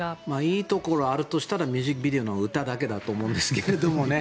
いいところあるとしたらミュージックビデオの歌だけだと思うんですけどね。